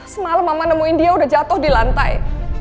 semalam mama nemuin dia udah jatuh di lantai